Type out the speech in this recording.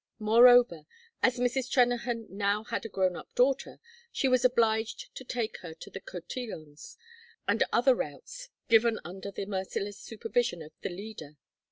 Moreover, as Mrs. Trennahan now had a grown up daughter, she was obliged to take her to the cotillons and other routs given under the merciless supervision of the Leader.